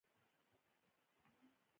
ویزه باید څنګه اسانه شي؟